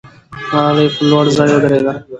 ملالۍ په لوړ ځای ودرېده.